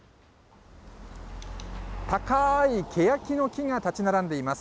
高いけやきの木が立ち並んでいます。